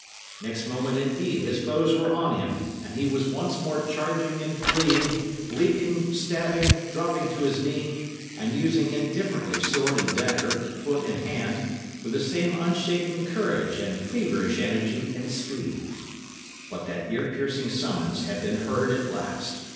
Next moment, indeed, his foes were on him, and he was once more charging and fleeing, leaping, stabbing, dropping to his knee, and using indifferently sword and dagger, foot and hand, with the same unshaken courage and feverish energy and speed. But that ear piercing summons had been heard at last.